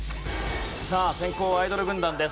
先攻はアイドル軍団です。